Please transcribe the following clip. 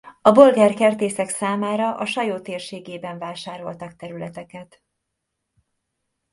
A bolgár kertészek számára a Sajó térségében vásároltak területeket.